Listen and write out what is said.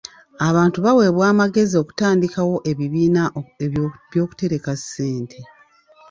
Abantu baweebwa amagezi okutandikawo ebibiina by'okutereka ssente.